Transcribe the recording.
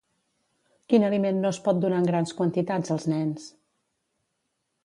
Quin aliment no es pot donar en grans quantitats als nens?